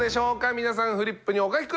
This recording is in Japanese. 皆さんフリップにお書き下さい。